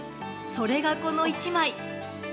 それが、この１枚。